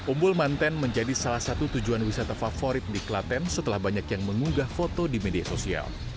umbul mantan menjadi salah satu tujuan wisata favorit di klaten setelah banyak yang mengunggah foto di media sosial